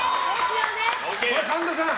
神田さん